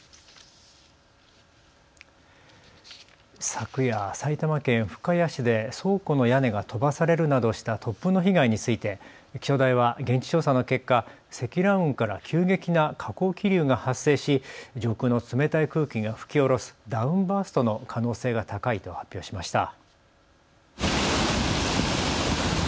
昨夜、埼玉県深谷市で倉庫の屋根が飛ばされるなどした突風の被害について気象台は現地調査の結果、積乱雲から急激な下降気流が発生し上空の冷たい空気が吹き降ろすダウンバーストの可能性が高いと発表しました。